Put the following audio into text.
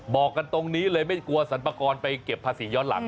บอกกันตรงนี้เลยไม่กลัวสรรพากรไปเก็บภาษีย้อนหลัง